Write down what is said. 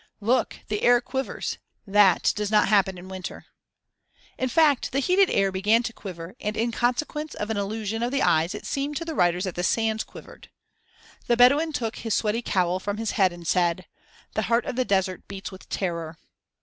"Look! the air quivers. That does not happen in winter." In fact the heated air began to quiver, and in consequence of an illusion of the eyes it seemed to the riders that the sands quivered. The Bedouin took his sweaty cowl from his head and said: "The heart of the desert beats with terror."